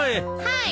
はい。